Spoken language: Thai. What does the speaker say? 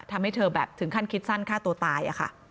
ทำให้เธอแบบถึงขั้นคิดสั้นฆ่าตัวตาย